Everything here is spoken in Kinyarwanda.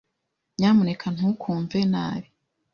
Nyamuneka ntukumve nabi.